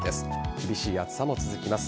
厳しい暑さも続きます。